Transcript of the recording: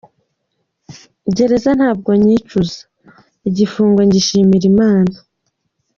"Gereza ntabwo nyicuza; Igifungo ngishimira Imana".